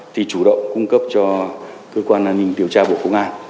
thì chủ động cung cấp cho cơ quan an ninh điều tra bộ công an